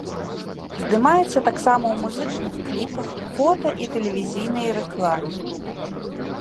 Здымаецца таксама ў музычных кліпах, фота- і тэлевізійнай рэкламе.